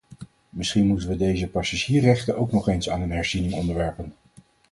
Misschien moesten we deze passagiersrechten ook nog eens aan een herziening onderwerpen.